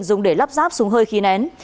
dùng để lắp ráp súng hơi khi nén